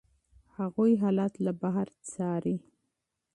هغوی حالات له بهر څاري.